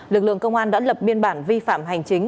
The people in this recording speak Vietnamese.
lực lượng công an đã lập biên bản vi phạm hành chính